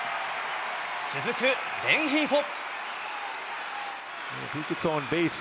続くレンヒーフォ。